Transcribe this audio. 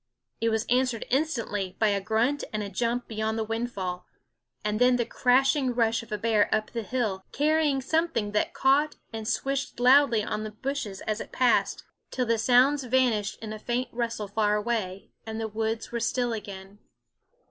It was answered instantly by a grunt and a jump beyond the windfall and then the crashing rush of a bear up the hill, carrying something that caught and swished loudly on the bushes as it passed, till the sounds vanished in a faint rustle far away, and the woods were still again.